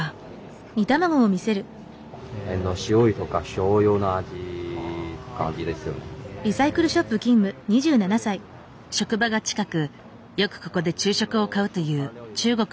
職場が近くよくここで昼食を買うという中国出身の男性。